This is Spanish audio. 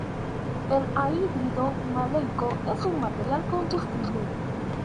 El anhídrido maleico es un material combustible.